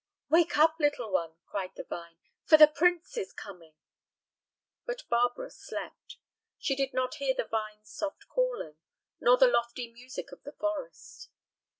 "Wake up, little one," cried the vine, "for the prince is coming!" But Barbara slept; she did not hear the vine's soft calling, nor the lofty music of the forest.